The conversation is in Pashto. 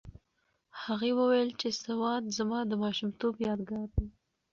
هغې وویل چې سوات زما د ماشومتوب یادګار دی.